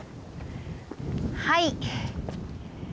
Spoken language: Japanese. はい。